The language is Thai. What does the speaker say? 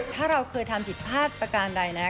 ถ้าเราเคยทำผิดพลาดประการใดแล้ว